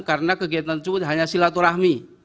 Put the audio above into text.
karena kegiatan tersebut hanya silaturahmi